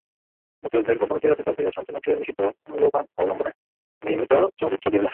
মুক্তিযুদ্ধের পটভূমিতে রচিত সৈয়দ শামসুল হকের নিষিদ্ধ লোবান অবলম্বনে নির্মিত চলচ্চিত্র গেরিলা।